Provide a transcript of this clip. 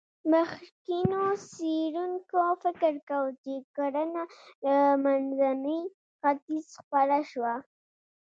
مخکېنو څېړونکو فکر کاوه، چې کرنه له منځني ختیځ خپره شوه.